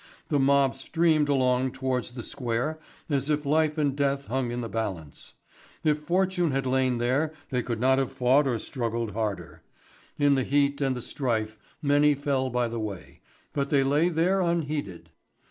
The mob streamed along towards the Square as if life and death hung in the balance. If fortune had lain there they could not have fought or struggled harder. In the heat and the strife many fell by the way, but they lay there unheeded.